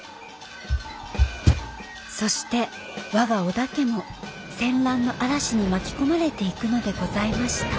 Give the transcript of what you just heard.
そして我が小田家も戦乱の嵐に巻き込まれていくのでございました